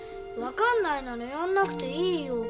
分かんないならやんなくていいよ。